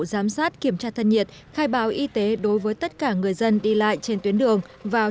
giám sát kiểm tra thân nhiệt khai báo y tế đối với tất cả người dân đi lại trên tuyến đường vào